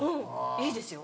いいですよ。